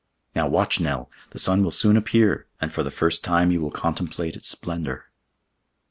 Now watch, Nell! the sun will soon appear, and for the first time you will contemplate its splendor."